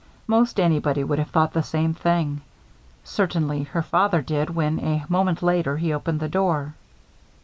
Most anybody would have thought the same thing. Certainly her father did when, a moment later, he opened the door.